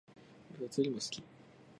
物理も好き